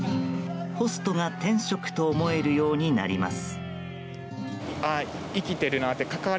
ホストが天職と思えるようになります。